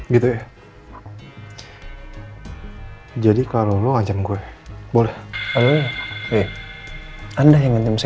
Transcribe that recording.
bagi saya yang pertama ini akan berjaya